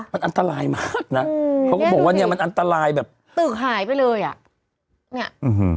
มันอันตรายมากน่ะอืมเขาก็บอกว่าเนี้ยมันอันตรายแบบตึกหายไปเลยอ่ะเนี้ยอืม